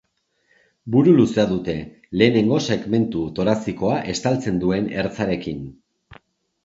Buru luzea dute, lehenengo segmentu torazikoa estaltzen duen ertzarekin.